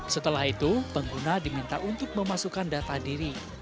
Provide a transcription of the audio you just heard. setelah itu pengguna diminta untuk memasukkan data diri